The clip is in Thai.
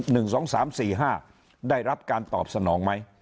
หนึ่งสองสามสี่ห้าได้รับการตอบสนองไหม